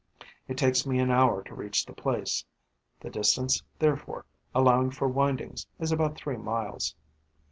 It takes me an hour to reach the place. The distance, therefore, allowing for windings, is about three miles.